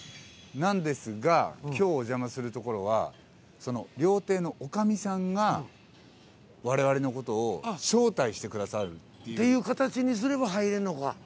なんですが今日お邪魔する所はその料亭の女将さんがわれわれのことを招待してくださる。っていう形にすれば入れんのか。